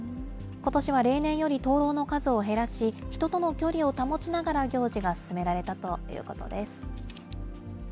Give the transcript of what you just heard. ことしは例年より灯籠の数を減らし、人との距離を保ちながら、行事が進められたということです。